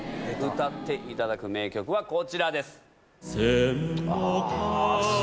歌っていただく名曲はこちらです。